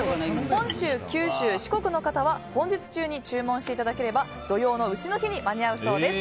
本州、九州、四国の方は本日中に注文していただければ土用の丑の日に間に合うそうです。